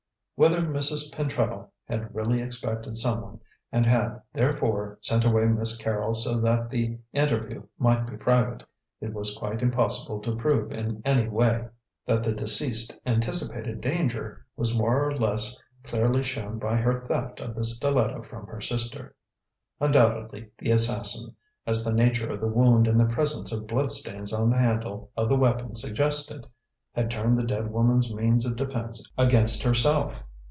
Whether Mrs. Pentreddle had really expected someone, and had, therefore, sent away Miss Carrol so that the interview might be private, it was quite impossible to prove in any way. That the deceased anticipated danger was more or less clearly shown by her theft of the stiletto from her sister. Undoubtedly the assassin as the nature of the wound and the presence of blood stains on the handle of the weapon suggested had turned the dead woman's means of defence against herself.